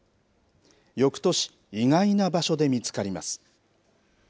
よくとし意外な場所で見つかります。